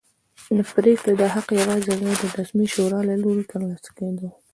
د پرېکړې دا حق د یوې غیر رسمي شورا له لوري ترلاسه کېده.